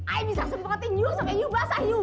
ayah bisa sempetin yuu sampai yuu basah yuu